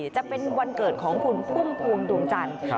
จะเป็นวันเกิดของคุณพุ่มพวงดวงจันทร์